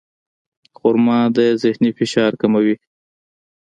خرما د ذهني فشار کموي.